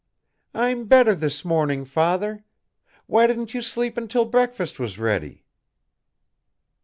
"I'm better this morning, father. Why didn't you sleep until breakfast was ready?"